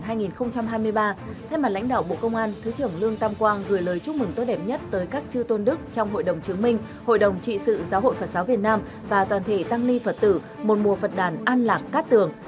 thay mặt lãnh đạo bộ công an thứ trưởng lương tam quang gửi lời chúc mừng tốt đẹp nhất tới các chư tôn đức trong hội đồng chứng minh hội đồng trị sự giáo hội phật giáo việt nam và toàn thể tăng ni phật tử một mùa phật đàn an lạc cát tường